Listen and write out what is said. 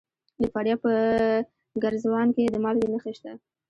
د فاریاب په ګرزوان کې د مالګې نښې شته.